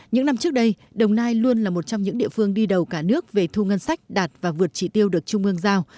những năm trước đây đồng nai luôn là một trong những địa phương đi đầu cả nước về thu ngân sách đạt và vượt trị tiêu được trung ương giao